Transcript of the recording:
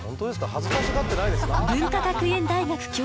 恥ずかしがってないですか？